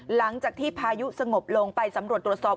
หลังจากที่พายุสงบลงไปสำรวจตรวจสอบ